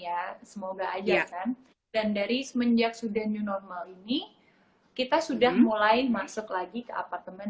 ya semoga aja kan dan dari semenjak sudah new normal ini kita sudah mulai masuk lagi ke apartemen